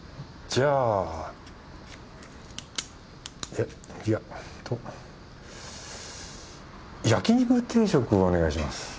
じゃあややと焼肉定食をお願いします。